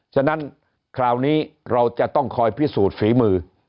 ฉะนั้นคราวนี้เราจะต้องคอยพิสูจน์ฝีมือ